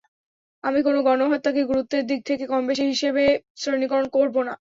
আমি কোনো গণহত্যাকেই গুরুত্বের দিক থেকে কমবেশি হিসাবে শ্রেণীকরণ করব না।